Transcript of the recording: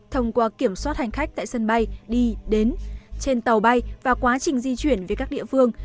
thông qua kiểm soát hành khách tại sân bay đi đến trên tàu bay và quá trình di chuyển về các địa phương